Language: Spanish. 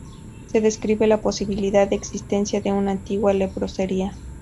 Se describe la posibilidad de existencia de una antigua leprosería.